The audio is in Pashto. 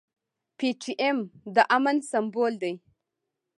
پي ټي ايم د امن سمبول دی.